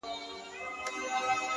o وه ه سم شاعر دي اموخته کړم ـ